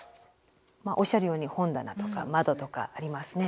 おっしゃるように本棚とか窓とかありますね。